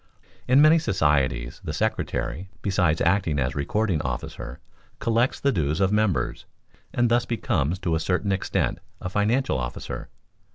In many societies the secretary, besides acting as recording officer, collects the dues of members, and thus becomes to a certain extent a financial officer.